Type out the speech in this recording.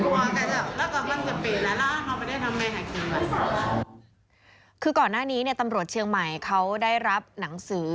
ว่าก่อนหน้านี้ตำรวจเชียงใหม่ได้รับหนังสือ